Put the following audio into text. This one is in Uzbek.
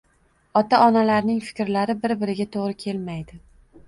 ota-onalarning fikrlari bir-biriga to‘g‘ri kelmaydi.